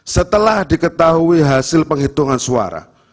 setelah diketahui hasil penghitungan suara